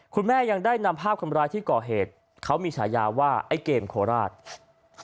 คุณแม่ยังได้นำภาพคนร้ายที่ก่อเหตุเขามีฉายาว่าไอ้เกมโคราช